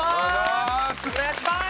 お願いします！